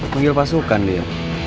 punggil pasukan dia